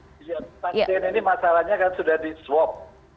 pak ferry ini masalahnya kan sudah di swap